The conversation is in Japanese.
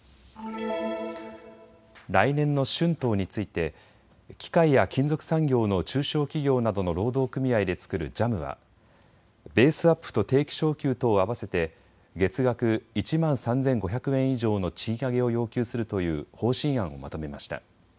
来年の春闘について機械や金属産業の中小企業などの労働組合で作るＪＡＭはベースアップと定期昇給とを合わせて月額１万３５００円以上の賃上げを要求するという方針案をまとめました。